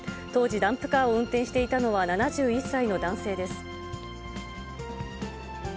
当時、ダンプカーを運転していたのは７１歳の男性です。